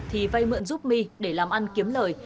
thì vây mượn giúp my để làm ăn kiếm lời